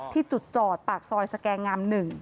ที่จุดจอดปากซอยสแกงาม๑